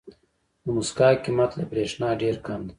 د موسکا قیمت له برېښنا ډېر کم دی.